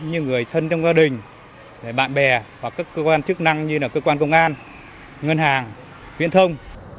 như người thân trong gia đình bạn bè hoặc các cơ quan chức năng như là cơ quan công an ngân hàng viễn thông